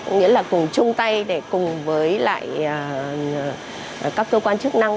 có nghĩa là cùng chung tay để cùng với lại các cơ quan chức năng